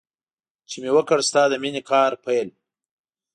چې مې وکړ ستا د مینې کار پیل.